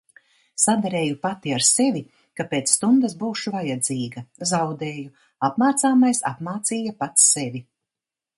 Saderēju pati ar sevi, ka pēc stundas būšu vajadzīga. Zaudēju. Apmācāmais apmācīja pats sevi.